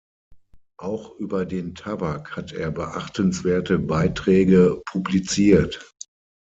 Auch über den Tabak hat er beachtenswerte Beiträge publiziert.